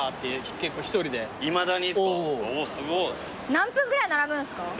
何分ぐらい並ぶんすか？